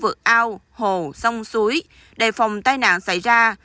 vực ao hồ sông suối đề phòng tai nạn xảy ra